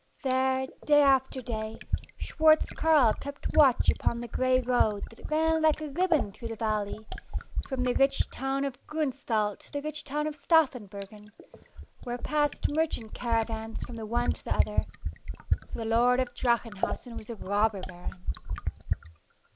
There, day after day, Schwartz Carl kept watch upon the gray road that ran like a ribbon through the valley, from the rich town of Gruenstaldt to the rich town of Staffenburgen, where passed merchant caravans from the one to the other for the lord of Drachenhausen was a robber baron.